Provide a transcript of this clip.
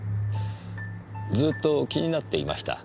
ずっと気になっていました。